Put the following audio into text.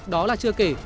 đó là chưa kể